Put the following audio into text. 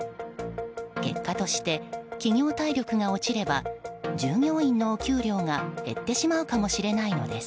結果として企業体力が落ちれば従業員のお給料が減ってしまうかもしれないのです。